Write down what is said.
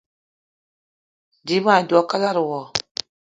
Dím ma dwé a kalada wo